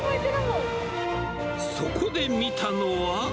そこで見たのは。